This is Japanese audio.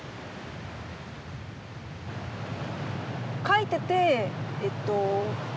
描いててえっと